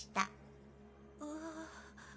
ああ。